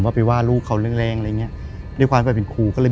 ว่าไปว่าลูกเขาแรงอะไรอย่างนี้